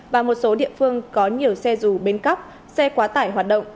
và một số địa phương có nhiều xe dù bến cóc xe quá tải hoạt động